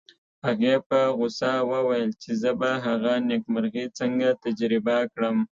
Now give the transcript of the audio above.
هغې په غوسه وویل چې زه به هغه نېکمرغي څنګه تجربه کړم